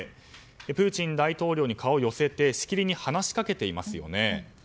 プーチン大統領に顔を寄せてしきりに話しかけていますね。